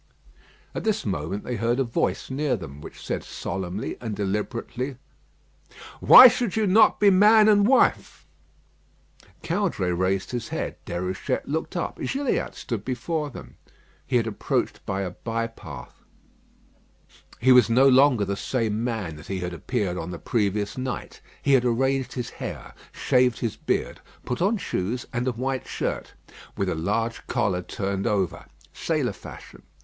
At this moment they heard a voice near them, which said solemnly and deliberately: "Why should you not be man and wife?" Caudray raised his head. Déruchette looked up. Gilliatt stood before them. He had approached by a bye path. He was no longer the same man that he had appeared on the previous night. He had arranged his hair, shaved his beard, put on shoes, and a white shirt, with a large collar turned over, sailor fashion.